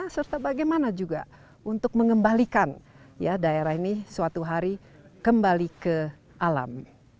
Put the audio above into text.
serta bagaimana juga untuk mengembalikan daerah ini suatu hari kembali ke alam